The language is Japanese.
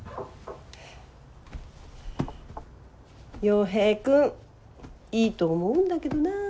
洋平くんいいと思うんだけどな。